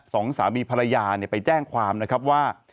สองสามีภรรยาไปแจ้งความนะครับว่า